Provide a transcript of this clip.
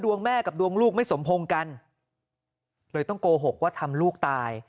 แม่กับดวงลูกไม่สมพงษ์กันเลยต้องโกหกว่าทำลูกตาย